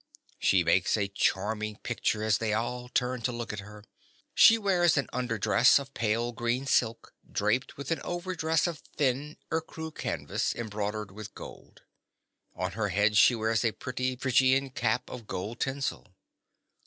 (_She makes a charming picture as they all turn to look at her. She wears an underdress of pale green silk, draped with an overdress of thin ecru canvas embroidered with gold. On her head she wears a pretty Phrygian cap of gold tinsel.